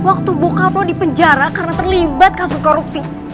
waktu bokap lu dipenjara karena terlibat kasus korupsi